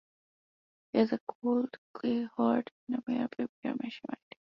He has a clay-cold heart, and a mere papier machè mind.